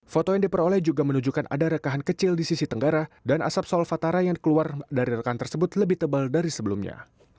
foto yang diperoleh juga menunjukkan ada rekahan kecil di sisi tenggara dan asap solvatara yang keluar dari rekahan tersebut lebih tebal dari sebelumnya